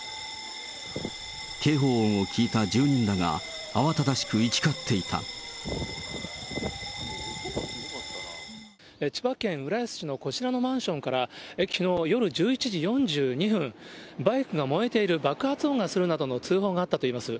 警報音を聞いた住人らが、千葉県浦安市のこちらのマンションから、きのう夜１１時４２分、バイクが燃えている、爆発音がするなどの通報があったといいます。